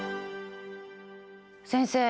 先生